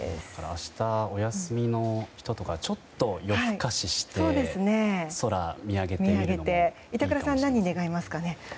明日お休みの人とかちょっと夜更かしして空を見上げてみるのも板倉さん何を願いますか。